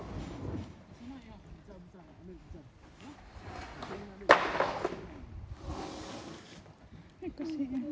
tim sar gabungan menemukan sementara upaya pencarian di taka bonerate